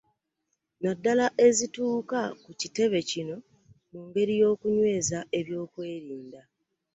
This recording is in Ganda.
Naddala ezituuka ku kitebe kino mu ngeri y'okunyweza eby'okwerinda